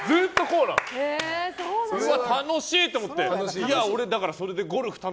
うわ、楽しい！と思って。